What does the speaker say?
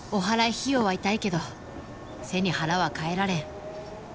費用は痛いけど背に腹は代えられん